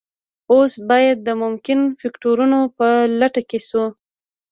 اوس باید د ممکنه فکتورونو په لټه کې شو